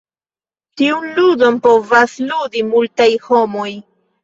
Tiun "ludon" povas "ludi" multaj homoj.